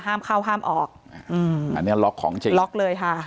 ห้ามเข้าห้ามออกอืมอันนี้ล็อกของจริงล็อกเลยค่ะ